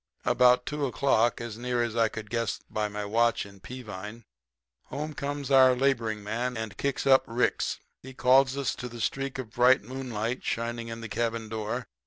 "About two o'clock, as near as I could guess by my watch in Peavine, home comes our laboring man and kicks up Ricks, and calls us to the streak of bright moonlight shining in the cabin door.